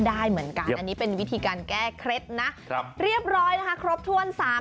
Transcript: ได้เหมือนกันให้แบบเจ็บตัว